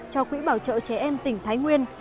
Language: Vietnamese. cho quỹ bảo trợ trẻ em tỉnh thái nguyên